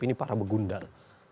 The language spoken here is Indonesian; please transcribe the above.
ini para begundal